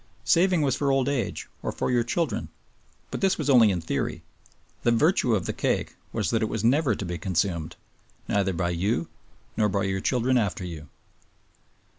Saving was for old age or for your children; but this was only in theory, the virtue of the cake was that it was never to be consumed, neither by you nor by your children after you.